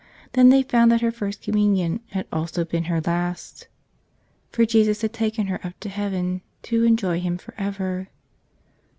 Then they found that her first Communion had also been her last; for Jesus had taken her up to heaven to enjoy Him forever.